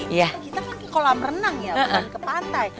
kita kan ke kolam renang ya bukan ke pantai